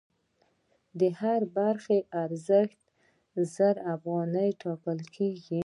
د هرې برخې ارزښت زر افغانۍ ټاکل کېږي